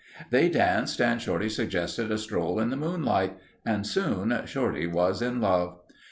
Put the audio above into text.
They danced and Shorty suggested a stroll in the moonlight. And soon Shorty was in love.